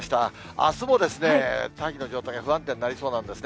あすも大気の状態が不安定になりそうなんですね。